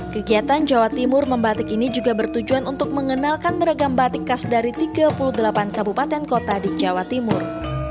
kegiatan jawa timur membatik ini juga bertujuan untuk mengenalkan beragam batik khas dari tiga puluh delapan kabupaten kota di jawa timur